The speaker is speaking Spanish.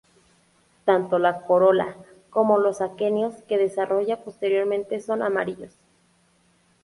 Tanto la corola como los aquenios que desarrolla posteriormente son amarillos.